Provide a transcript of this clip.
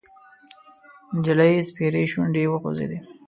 د نجلۍ سپېرې شونډې وخوځېدې: